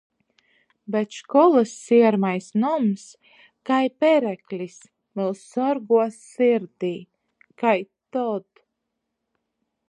Bet školys siermais noms kai pereklis myus sorguos sirdī. Kai tod.